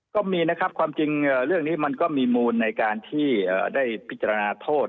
ก็มีนะครับความจริงเรื่องนี้มันก็มีมูลในการที่ได้พิจารณาโทษ